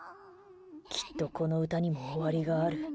きっとこの歌にも終わりがある。